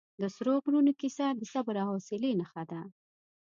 د سرو غرونو کیسه د صبر او حوصلې نښه ده.